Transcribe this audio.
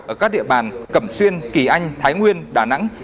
ở các địa bàn cẩm xuyên kỳ anh thái nguyên đà nẵng